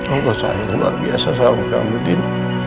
tuhan saya luar biasa sama kamu din